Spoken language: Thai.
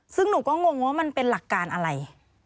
ซึ่งหนูก็งงว่ามันเป็นหลักการอะไร